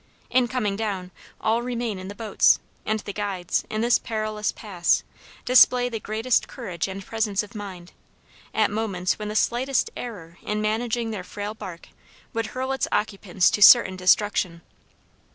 In coming down, all remain in the boats; and the guides, in this perilous pass, display the greatest courage and presence of mind, at moments when the slightest error in managing their frail bark would hurl its occupants to certain destruction.